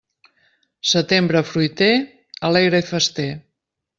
Setembre fruiter, alegre i fester.